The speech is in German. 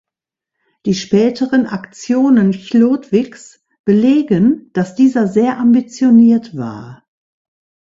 Die späteren Aktionen Chlodwigs belegen, dass dieser sehr ambitioniert war.